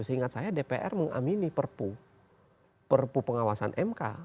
seingat saya dpr mengamini perpu pengawasan mk